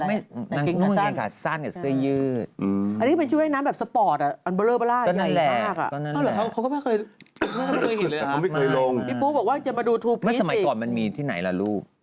นี่สมัยก่อนมันมีที่ไหนล่ะลูก